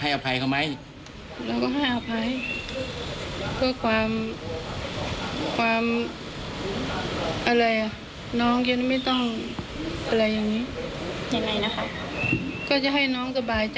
ไม่ได้มีเวรมีกรรมสักครั้ง